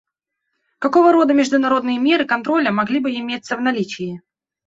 Какого рода международные меры контроля могли бы иметься в наличии?